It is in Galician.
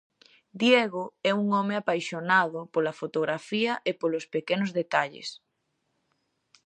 Diego é un home apaixonado pola fotografía e polos pequenos detalles.